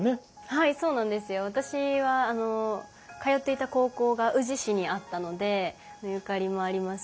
はいそうなんですよ。私は通っていた高校が宇治市にあったのでゆかりもありますし。